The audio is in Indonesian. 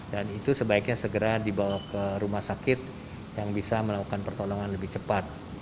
dan itu sebaiknya segera dibawa ke rumah sakit yang bisa melakukan pertolongan lebih cepat